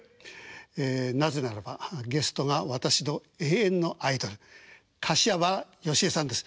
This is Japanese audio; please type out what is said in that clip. なぜならばゲストが私の永遠のアイドル柏原芳恵さんです。